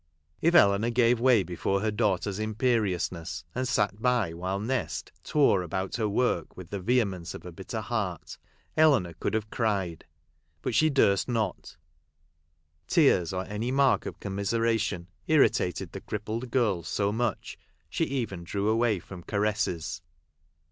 If Eleanor gave way before her daughter's imperiousness, and sat by while Nest " tore " about her work with the vehemence of a bitter heart, Eleanor could have cried, but she durst not ; tears, or any mark of commi seration, irritated the crippled girl so much, she even drew away from caresses.